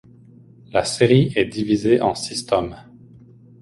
La série est divisée en six tomes.